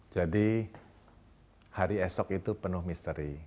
jadi hari esok itu penuh misteri